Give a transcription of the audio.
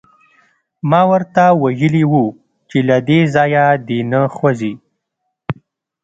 ما ورته ویلي وو چې له دې ځایه دې نه خوځي